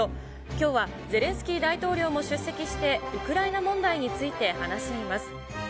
きょうはゼレンスキー大統領も出席して、ウクライナ問題について話し合います。